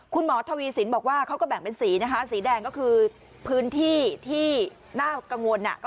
คุณหมอทวีสินบอกว่าเขาก็แบ่งเป็นสีนะคะสีแดงก็คือพื้นที่ที่น่ากังวล